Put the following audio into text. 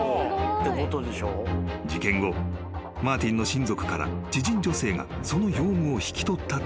［事件後マーティンの親族から知人女性がそのヨウムを引き取ったところ］